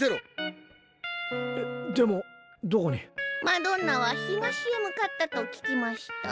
マドンナは東へ向かったと聞きました。